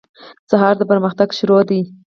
سهار د پرمختګ پیل دی.